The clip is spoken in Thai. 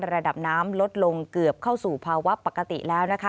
ระดับน้ำลดลงเกือบเข้าสู่ภาวะปกติแล้วนะคะ